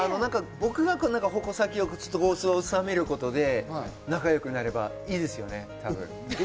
僕が矛先を収めることで仲良くなればいいですよね。